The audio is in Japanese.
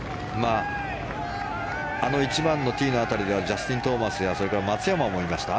あの１番のティーの辺りではジャスティン・トーマスやそれから松山もいました。